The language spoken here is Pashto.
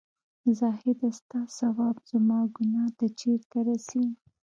زاهـده سـتـا ثـواب زمـا ګـنـاه تـه چېرته رسـي